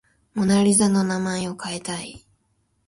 モナ・リザの名前を変えたい